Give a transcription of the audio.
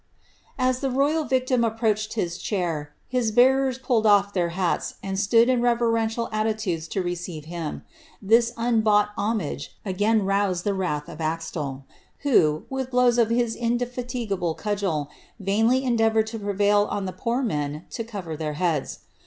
^ ttio rojral victim approached his chair, his bearere pulled off their md etood in reverential attitndes to receive him. This uobooght ge egain loosed ^e wrath of Axtel, who, with blows of his inde ^ cudgel, vainly endeavoured to prevail on the poor men to cover beads.